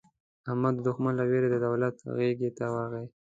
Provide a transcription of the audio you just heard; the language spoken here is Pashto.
احمد د دوښمن له وېرې د دولت غېږې ته ورغی.